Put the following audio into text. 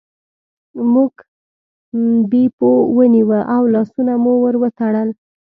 موږ بیپو ونیوه او لاسونه مو ور وتړل.